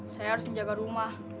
saya harus menjaga rumah